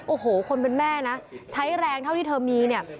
โอ้โหคนเป็นแม่นะใช้แรงเท่าที่เธอมีเนี่ย